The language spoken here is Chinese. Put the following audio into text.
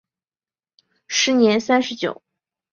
时年三十九。